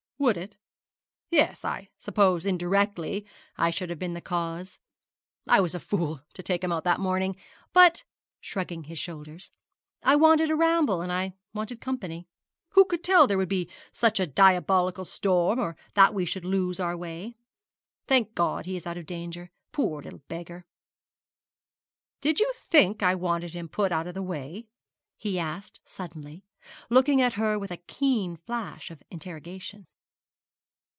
'Would it? Yes, I suppose indirectly I should have been the cause. I was a fool to take him out that morning; but,' shrugging his shoulders, 'I wanted a ramble, and I wanted company. Who could tell there would be such a diabolical storm, or that we should lose our way? Thank God he is out of danger. Poor little beggar! Did you think I wanted to put him out of the way?' he asked, suddenly, looking at her with a keen flash of interrogation.